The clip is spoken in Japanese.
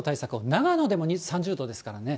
長野でも３０度ですからね。